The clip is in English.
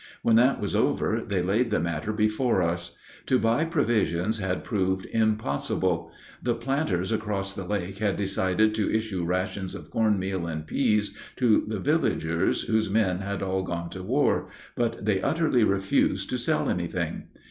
When that was over they laid the matter before us. To buy provisions had proved impossible. The planters across the lake had decided to issue rations of corn meal and pease to the villagers whose men had all gone to war, but they utterly refused to sell anything.